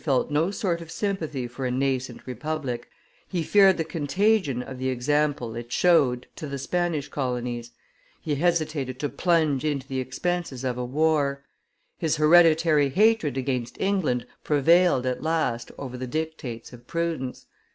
felt no sort of sympathy for a nascent republic; he feared the contagion of the example it showed to the Spanish colonies; he hesitated to plunge into the expenses of a war. His hereditary hatred against England prevailed at last over the dictates of prudence.